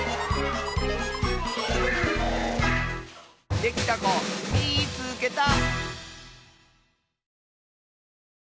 できたこみいつけた！